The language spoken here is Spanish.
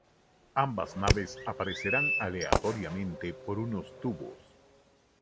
Ambas naves aparecerán aleatoriamente por unos tubos.